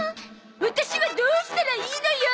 ワタシはどうしたらいいのよ！